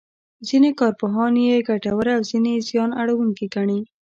ځینې کارپوهان یې ګټوره او ځینې یې زیان اړوونکې ګڼي.